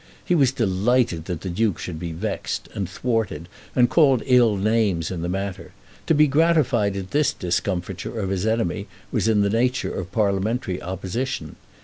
He was delighted that the Duke should be vexed, and thwarted, and called ill names in the matter. To be gratified at this discomfiture of his enemy was in the nature of parliamentary opposition.